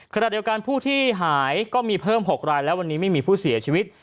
ขณะเดียวกันผู้ที่หายก็มีเพิ่ม๖รายและวันนี้ไม่มีผู้เสียชีวิต